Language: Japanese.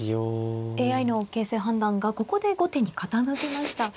ＡＩの形勢判断がここで後手に傾きました。